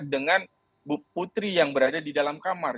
dengan putri yang berada di dalam kamar